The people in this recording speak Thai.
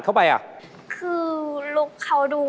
กลับไปก่อนเลยนะครับ